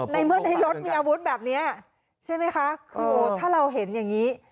ในเมื่อในรถมีอาวุธแบบนี้ใช่ไหมคะคือถ้าเราเห็นอย่างนี้